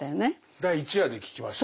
第１夜で聞きましたね。